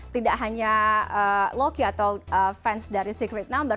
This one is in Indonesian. tidak hanya loki atau fans dari secret number